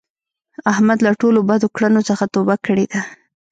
احمد له ټولو بدو کړونو څخه توبه کړې ده.